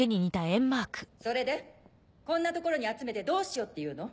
それでこんな所に集めてどうしようっていうの？